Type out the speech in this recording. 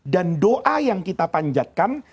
dan doa yang kita panjatkan